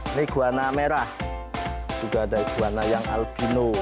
ini kuana merah juga ada kuana yang albino